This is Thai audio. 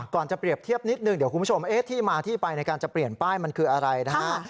จะเปรียบเทียบนิดหนึ่งเดี๋ยวคุณผู้ชมที่มาที่ไปในการจะเปลี่ยนป้ายมันคืออะไรนะฮะ